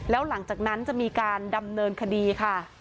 แล้วหลังจากนั้นจะมีการดำเนินคดีค่ะ